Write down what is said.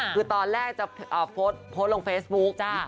คือตอนแรกจะโพสต์ลงเฟซบุ๊ก